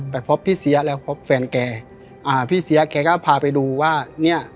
พบพี่เสียแล้วพบแฟนแกอ่าพี่เสียแกก็พาไปดูว่าเนี่ย